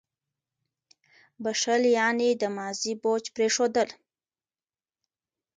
• بښل یعنې د ماضي بوج پرېښودل.